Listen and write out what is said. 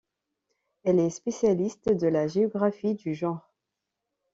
Elle est spécialiste de la géographie du genre.